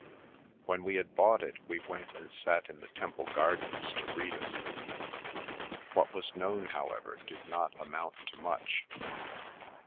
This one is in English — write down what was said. When we had bought it we went and sat in the Temple Gardens to read it. What was known however, did not amount to much.